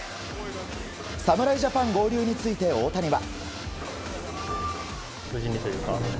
侍ジャパン合流について大谷は。